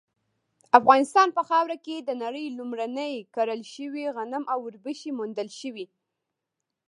افغانستان په خاوره کې د نړۍ لومړني کره شوي غنم او وربشې موندل شوي